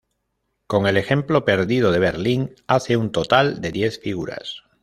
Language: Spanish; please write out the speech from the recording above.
Con el ejemplo perdido de Berlín, hace un total de diez figuras.